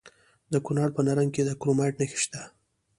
د کونړ په نرنګ کې د کرومایټ نښې شته.